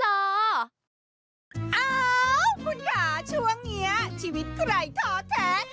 อ้าวคุณค่ะช่วงนี้ชีวิตใครท้อแท้